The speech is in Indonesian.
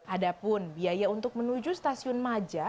adapun biaya untuk menuju stasiun maja